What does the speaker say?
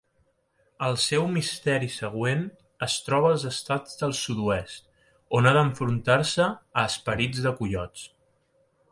El seu misteri següent es troba als estats del sud-oest, on ha d"enfrontar-se a esperits de coiots.